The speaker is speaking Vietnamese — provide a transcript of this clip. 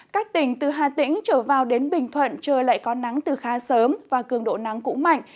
các tỉnh từ hà tĩnh trở vào đến bình thuận trời lại có nắng từ khá sớm và cường độ nắng cũng mạnh